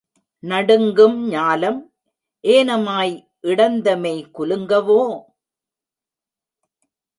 நடுங்கும் ஞாலம் ஏனமாய் இடந்தமெய் குலுங்கவோ?